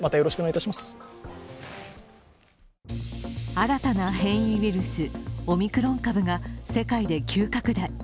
新たな変異ウイルスオミクロン株が世界で急拡大。